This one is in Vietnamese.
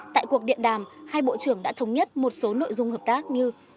tại cuộc điện đàm hai bộ trưởng đã thống nhất một số nội dung hợp tác như